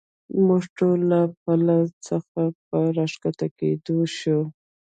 موږ ټول له پله څخه په را کښته کېدو شو.